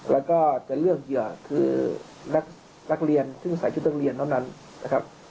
และก็จะเรื่องเหยื่อคือนักเรียนซึ่งใส่ชุดเรียนอ่อนอนนะครับ